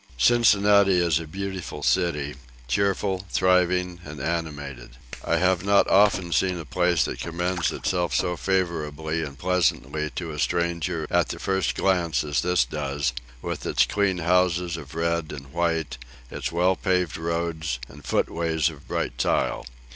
Cincinnati is a beautiful city; cheerful, thriving, and animated. I have not often seen a place that commends itself so favourably and pleasantly to a stranger at the first glance as this does: with its clean houses of red and white, its well paved roads, and foot ways of bright tile.